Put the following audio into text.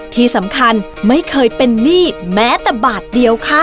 ที่สำคัญไม่เคยเป็นหนี้แม้แต่บาทเดียวค่ะ